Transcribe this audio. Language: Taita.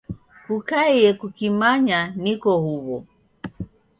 Kukaiye kukimanya niko huw'o.